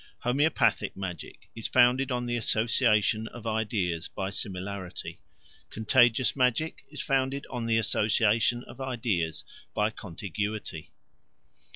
Homoeopathic magic is founded on the association of ideas by similarity: contagious magic is founded on the association of ideas by contiguity.